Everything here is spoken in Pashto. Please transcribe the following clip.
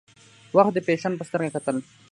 وخت د فیشن په سترګه کتل.